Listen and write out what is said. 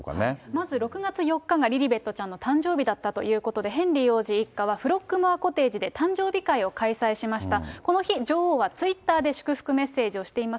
まず６月４日がリリベットちゃんの誕生日だったということで、ヘンリー王子一家はフロッグモア・コテージで誕生日会を開催しました。